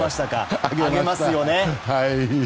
上げますよね。